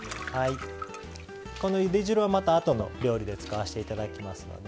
このゆで汁はまたあとの料理で使わせて頂きますので。